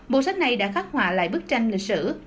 bộ sách này đã khắc họa lại bức tranh lịch sử